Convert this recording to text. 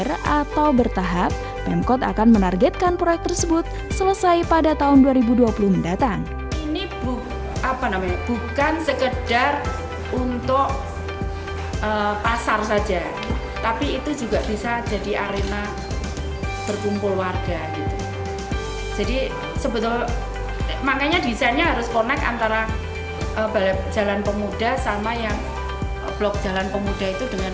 harus connect antara balai jalan pemuda sama yang blok jalan pemuda itu dengan balai pemuda